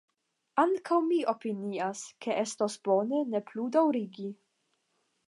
Ankaŭ mi opinias ke estos bone ne plu daŭrigi.